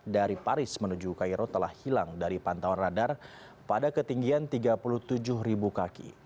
dari paris menuju cairo telah hilang dari pantauan radar pada ketinggian tiga puluh tujuh ribu kaki